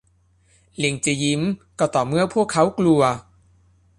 ลิงจะยิ้มก็ต่อเมื่อพวกเขากลัว